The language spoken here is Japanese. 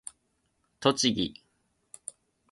栃木